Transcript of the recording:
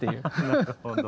なるほど。